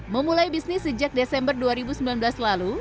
memulai bisnis sejak desember dua ribu sembilan belas lalu